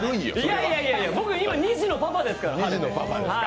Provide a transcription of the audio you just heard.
いやいや、僕、今、２児のパパですから。